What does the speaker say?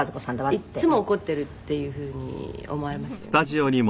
「いっつも怒ってるっていうふうに思われますよね」